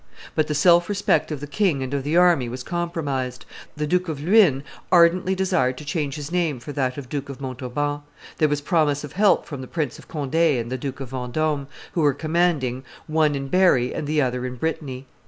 But the self respect of the king and of the army was compromised; the Duke of Luynes ardently desired to change his name for that of Duke of Montauban; there was promise of help from the Prince of Conde and the Duke of Vendome, who were commanding, one in Berry and the other in Brittany.